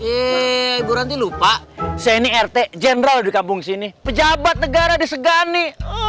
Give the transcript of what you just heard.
eh gue nanti lupa saya ini rt general di kampung sini pejabat negara di segani